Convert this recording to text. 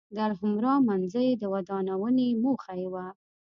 د الحمرأ منځۍ د ودانونې موخه یې وه.